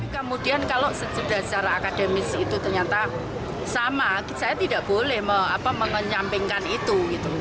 kemudian kalau sudah secara akademis itu ternyata sama saya tidak boleh mengenyampingkan itu